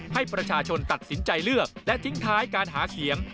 ให้ประชาชนตัดสินใจเลือกและทิ้งท้ายการหาเสียง